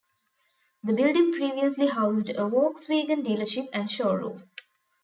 The building previously housed a Volkswagen dealership and showroom.